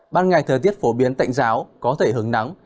ban ngày thời tiết phổ biến tạnh giáo có thể hứng nắng